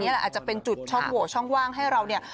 อาจจะเป็นจุดช่องโหวตช่องว่างให้เราเนี่ย